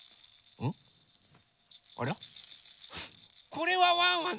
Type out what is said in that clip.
これはワンワン